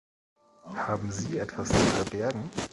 Haben Sie etwas zu verbergen?